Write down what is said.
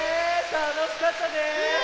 たのしかったね！